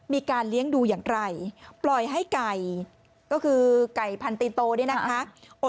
มีการเลี้ยงดูอย่างไรปล่อยให้ไก่ก็คือไก่พันตีโตเนี่ยนะคะ